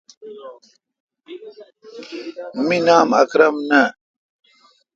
می نام اکرم نہ۔